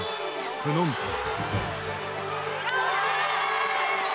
プノンペン。